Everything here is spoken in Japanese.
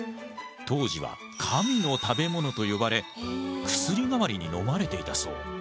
当時は神の食べ物と呼ばれ薬代わりに飲まれていたそう。